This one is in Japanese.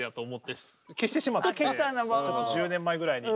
ちょっと１０年前ぐらいに。